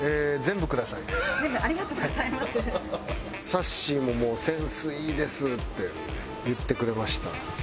さっしーももう「センスいいです」って言ってくれました。